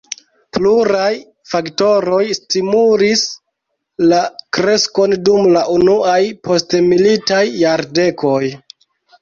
Pluraj faktoroj stimulis la kreskon dum la unuaj postmilitaj jardekoj.